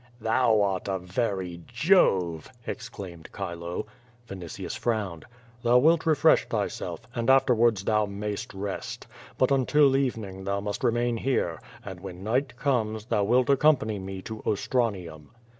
"Thou art a very Jove!" exclaimed Chilo. Vinitius frowned. "Thou wilt refresh thyself, and after wards thou mayst rest! But until evening thou must re main here, and when night comes thou wilt accompany me to Ostranium."